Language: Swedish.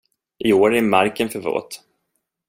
I år är marken för våt.